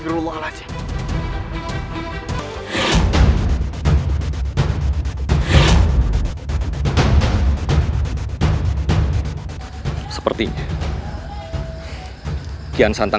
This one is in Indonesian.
inilah penacaan hal hal